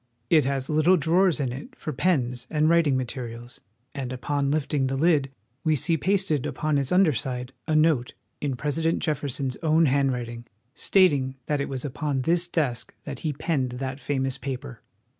It has little drawers in it for pens and writing THE STATE DEPARTMENT. 35 materials ; and upon lifting the lid, we see pasted upon its under side a note in President Jefferson's own handwriting, stating that it was upon tliis desk that he penned that fa mous paper.